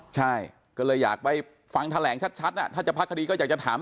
ใช่ก็เลยอยากไปฟังแถลงชัดถ้าจะพักคดีก็อยากจะถาม